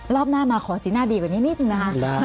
รอบหน้ามาขอสิ้นหน้าดีกว่านิดหนึ่งนะคะ